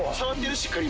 しっかり今。